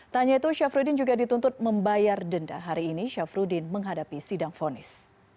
tanya itu syafruddin juga dituntut membayar denda hari ini syafruddin menghadapi sidang fonis